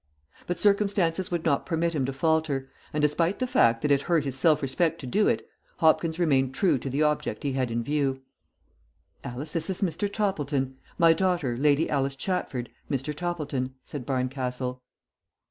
But circumstances would not permit him to falter, and, despite the fact that it hurt his self respect to do it, Hopkins remained true to the object he had in view. "Alice, this is Mr. Toppleton. My daughter, Lady Alice Chatford, Mr. Toppleton," said Barncastle.